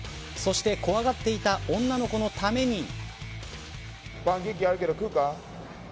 そして怖がっていた女の子のために。